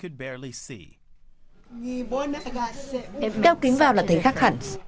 đeo kính vào là thấy khác hẳn